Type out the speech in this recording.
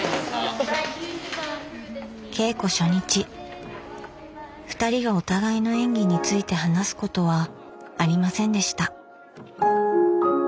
稽古初日ふたりがお互いの演技について話すことはありませんでした。